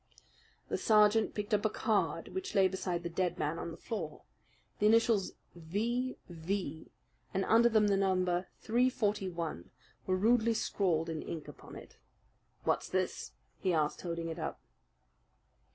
The sergeant picked up a card which lay beside the dead man on the floor. The initials V.V. and under them the number 341 were rudely scrawled in ink upon it. "What's this?" he asked, holding it up.